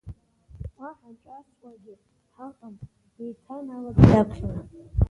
Уа ҳаанҿасуагьы ҳаҟам, деиҭаналагеит аԥхьара.